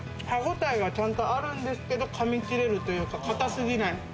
歯ごたえがちゃんとあるんですけれど噛み切れるというか、かたすぎない。